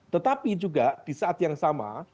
tetapi juga di saat yang sama